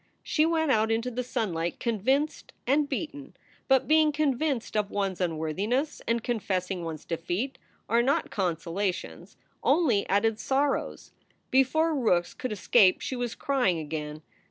She went out into the sunlight convinced and beaten. But being convinced of one s unworthiness and confessing one s defeat are not consolations; only added sorrows. Before Rookes could escape she was crying again.